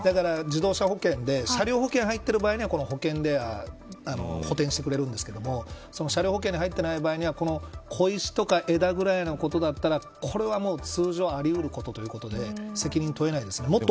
だから車両保険に入っている場合には保険で補填してくれるんですけど車両保険に入っていない場合は小石とか枝ぐらいのことだったらこれは通常あり得ることということで責任を問えないです。